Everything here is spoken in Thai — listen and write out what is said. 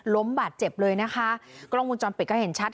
บาดเจ็บเลยนะคะกล้องวงจรปิดก็เห็นชัด